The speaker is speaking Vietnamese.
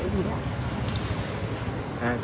em cũng không biết